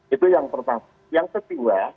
itu yang pertama yang kedua